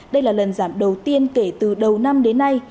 đây là lần giảm đầu tiên kể từ đầu năm đến nay